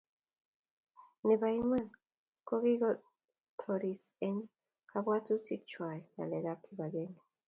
nebo iman kokikortotis eng kabwotutikwach ng'alekab kibagenge